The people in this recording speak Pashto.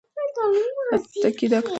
هوکې دا کتاب د نړۍ د ټولو ولسونو ګډ ویاړ دی.